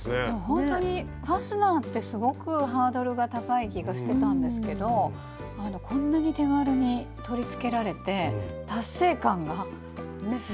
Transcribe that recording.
ほんとにファスナーってすごくハードルが高い気がしてたんですけどこんなに手軽に取りつけられて達成感がすごいです。